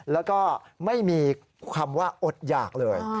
แล้วก็ไม่มีคำว่าอดหยากเลย